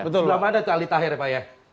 betul sebelah mana tuh aldi taher ya pak ya